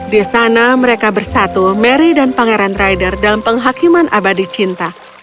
di sana mereka bersatu mary dan pangeran rider dalam penghakiman abadi cinta